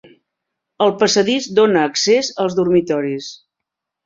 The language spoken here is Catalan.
El passadís dona accés als dormitoris.